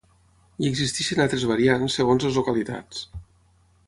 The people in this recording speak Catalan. Hi existeixen altres variants segons les localitats.